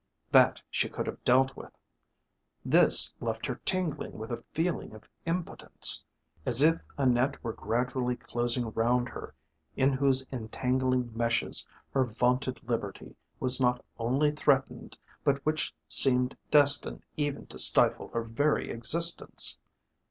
That she could have dealt with; this left her tingling with a feeling of impotence, as if a net were gradually closing round her in whose entangling meshes her vaunted liberty was not only threatened, but which seemed destined even to stifle her very existence.